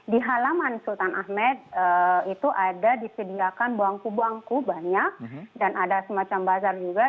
di halaman sultan ahmed itu ada disediakan buangku buangku banyak dan ada semacam bazar juga